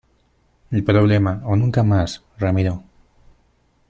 el problema o nunca mas, Ramiro.